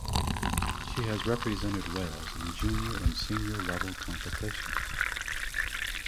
She has represented Wales in junior and senior level competitions.